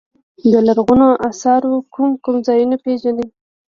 د لرغونو اثارو کوم کوم ځایونه پيژنئ.